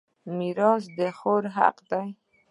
میراث د خور حق دی.